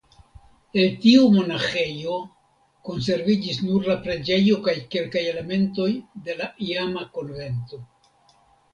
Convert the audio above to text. El tiu monaĥejo konserviĝis nur la preĝejo kaj kelkaj elementoj de la iama konvento.